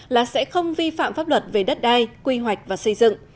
là sẽ không vi phạm pháp luật về đất đai quy hoạch và xây dựng